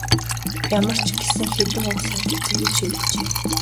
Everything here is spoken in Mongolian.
Ямар ч гэсэн хэдэн үг сольж үзье гэж шийджээ.